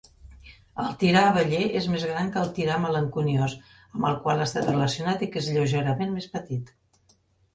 El tirà abeller és més gran que el tirà malenconiós amb el qual ha estat relacionat i que és lleugerament més petit.